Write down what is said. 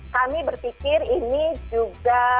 kami berpikir ini juga